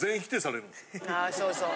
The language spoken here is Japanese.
あそうそう。